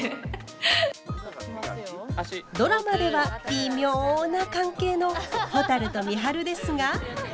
ドラマではビミョな関係のほたると美晴ですが。